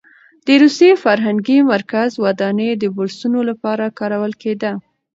د روسي فرهنګي مرکز ودانۍ د بورسونو لپاره کارول کېده.